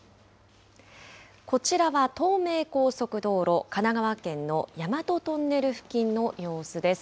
こちらは東名高速道路、神奈川県の大和トンネル付近の様子です。